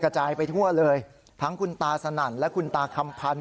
กระจายไปทั่วเลยทั้งคุณตาสนั่นและคุณตาคำพันธ